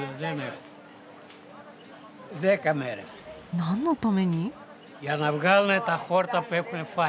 何のために？